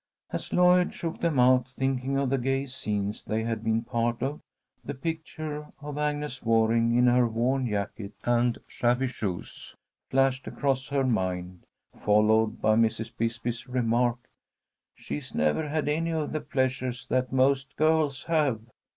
As Lloyd shook them out, thinking of the gay scenes they had been a part of, the picture of Agnes Waring in her worn jacket and shabby shoes flashed across her mind, followed by Mrs. Bisbee's remark: "She's never had any of the pleasures that most girls have.